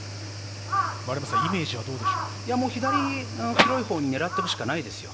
イメージはどうですか？